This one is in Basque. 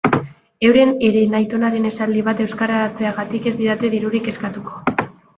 Euren herenaitonaren esaldi bat euskaratzeagatik ez didate dirurik eskatuko.